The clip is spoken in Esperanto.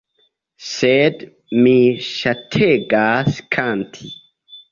Sed mi ŝategas kanti.